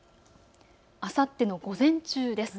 あさっての午前中です。